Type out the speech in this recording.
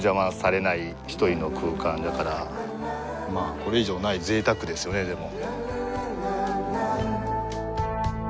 これ以上ない贅沢ですよねでも。